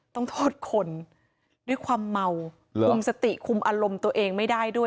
ต้องโทษคนด้วยความเมาคุมสติคุมอารมณ์ตัวเองไม่ได้ด้วย